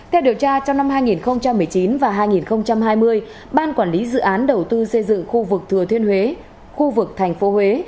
theo điều tra trong năm hai nghìn một mươi chín và hai nghìn hai mươi ban quản lý dự án đầu tư xây dựng khu vực thừa thiên huế khu vực tp huế